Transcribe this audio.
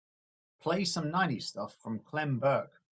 Play some nineties stuff from Clem Burke.